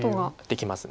できます。